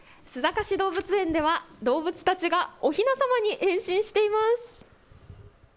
須坂市動物園では動物たちがおひなさまに変身しています。